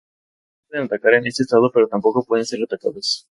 No pueden atacar en este estado pero tampoco pueden ser atacados.